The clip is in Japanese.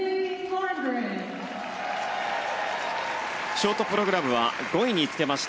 ショートプログラムは５位につけました。